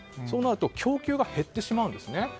そうなると、供給が減ってしまうんですね。